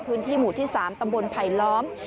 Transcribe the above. พื้นที่หมู่ที่๓ตำบลไผลล้อม